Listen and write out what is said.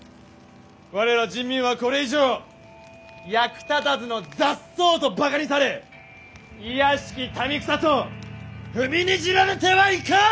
我ら人民はこれ以上役立たずの雑草とバカにされ卑しき民草と踏みにじられてはいかん！